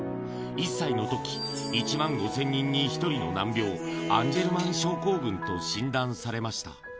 １歳のとき、１万５０００人に１人の難病、アンジェルマン症候群と診断されました。